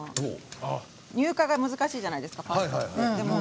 乳化が難しいじゃないですかパスタって。